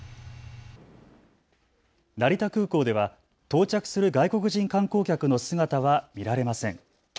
成田空港では到着する外国人観光客の姿は見られません。